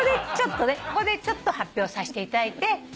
ここでちょっと発表させていただいて。